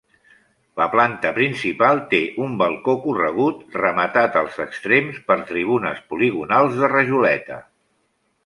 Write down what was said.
La planta principal té un balcó corregut rematat als extrems per tribunes poligonals de rajoleta.